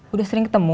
udah sering ketemu